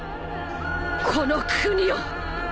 この国を。